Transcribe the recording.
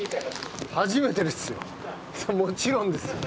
もちろんですよ。